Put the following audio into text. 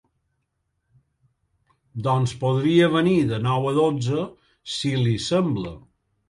Doncs podria venir de nou a dotze, si li sembla.